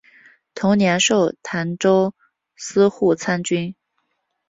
同年授澶州司户参军。